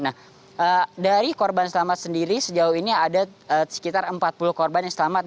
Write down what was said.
nah dari korban selamat sendiri sejauh ini ada sekitar empat puluh korban yang selamat